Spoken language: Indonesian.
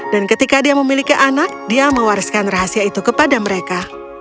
dan ketika dia memiliki anak dia mewariskan rahasia itu kepada mereka